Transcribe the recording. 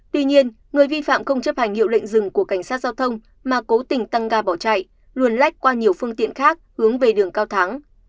tuy nhiên người vi phạm không chấp hành hiệu lệnh dừng của cảnh sát giao thông mà cố tình tăng ga bỏ chạy luồn lách qua nhiều phương tiện khác hướng về đường cao thắng